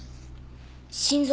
心臓。